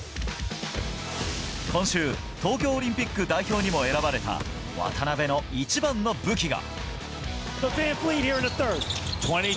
今週、東京オリンピック代表にも選ばれた渡邊の一番の武器が。